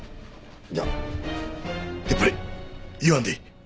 いややっぱり言わんでいい！